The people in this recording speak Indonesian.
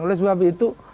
oleh sebab itu